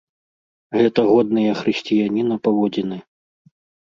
Гэта годныя хрысціяніна паводзіны.